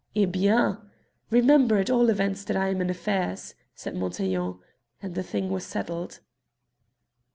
"Eh bien! Remember at all events that I am in affairs," said Montaiglon, and the thing was settled.